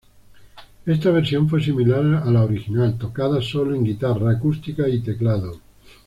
Esta versión fue similar a la original, tocada sólo en guitarra acústica y teclado.